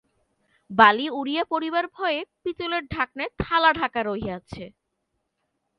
বালি উড়িয়া পড়িবার ভয়ে পিতলের ঢাকনায় থালা ঢাকা রহিয়াছে।